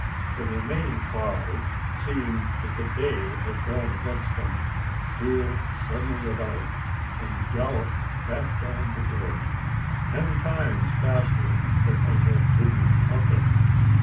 The remaining five, seeing that the day had gone against them, wheeled suddenly about; and galloped back down the gorge ten times faster than they had ridden up it.